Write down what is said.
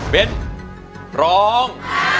เป็นร้อง